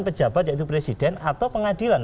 pejabat yaitu presiden atau pengadilan